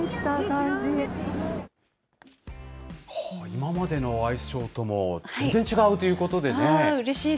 今までのアイスショーとも全然違うということで。